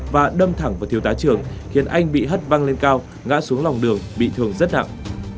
và đâm thẳng vào thiếu tá trường khiến anh bị hất văng lên cao ngã xuống lòng đường bị thương rất nặng